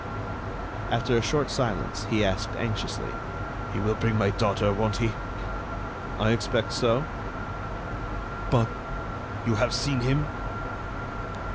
After a short silence, he asked, anxiously: "He will bring my daughter, won't he?" "I expect so." "But ... you have seen him?"